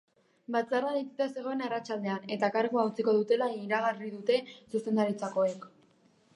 Batzarra deituta zegoen arratsaldean, eta kargua utziko dutela iragarri dute zuzendaritzakoek.